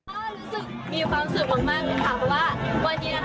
ก็รู้สึกมีความสุขมากเลยค่ะเพราะว่าวันนี้นะคะ